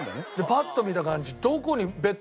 パッと見た感じ。